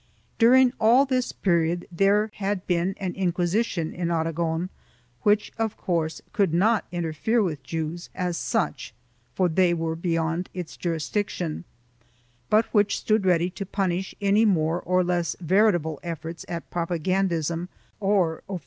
4 During all this period there had been an Inquisition in Aragon which, of course, could not interfere with Jews as such, for they were beyond its jurisdiction, but which stood ready to punish any more or less veritable efforts at propagandism or offences 1 Florez, op.